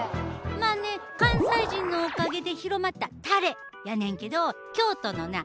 まあね関西人のおかげで広まったタレやねんけど京都のな